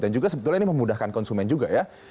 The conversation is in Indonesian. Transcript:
dan juga sebetulnya ini memudahkan konsumen juga ya